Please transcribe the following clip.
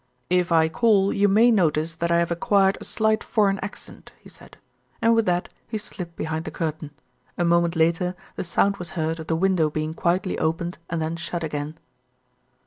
"If I call you may notice that I have acquired a slight foreign accent," he said, and with that he slipped behind the curtain. A moment later the sound was heard of the window being quietly opened and then shut again.